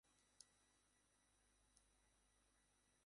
তুমি প্রাণীগুলোর মুল্য বোঝো, আজীবনই বুঝেছো।